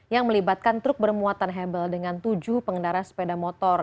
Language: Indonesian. yang melibatkan truk bermuatan hebel dengan tujuh pengendara sepeda motor